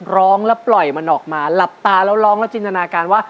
ร้องแล้วปล่อยมันออกมาหลับตาแล้วร้องแล้วจินตนาการว่า